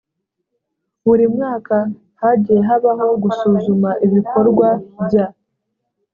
buri mwaka hagiye habaho gusuzuma ibikorwa bya